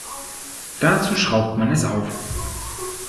Dazu schraubt man es auf.